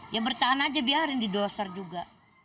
ya bertahan aja biarin didoser juga